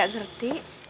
ayah gak ngerti